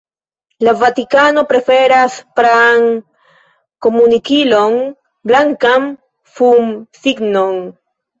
La Vatikano preferas praan komunikilon: blankan fumsignon.